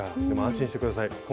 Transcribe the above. でも安心して下さい。